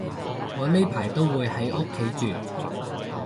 我呢排都會喺屋企住